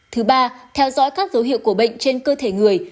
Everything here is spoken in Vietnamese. thứ ba theo dõi các dấu hiệu của bệnh trên cơ thể người